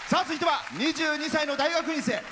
続いては２２歳の大学院生。